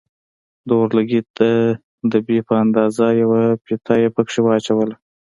د اورلګيت د دبي په اندازه يوه فيته يې پکښې واچوله.